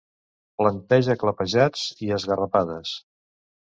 Planteja clapejats i esgarrapades.